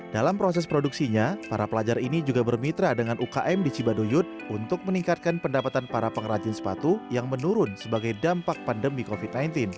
dalam proses produksinya para pelajar ini juga bermitra dengan ukm di cibaduyut untuk meningkatkan pendapatan para pengrajin sepatu yang menurun sebagai dampak pandemi covid sembilan belas